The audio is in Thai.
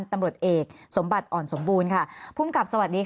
ตำรวจเอกสมบัติอ่อนสมบูรณ์ค่ะภูมิกับสวัสดีค่ะ